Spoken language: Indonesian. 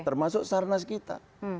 termasuk sarnas kita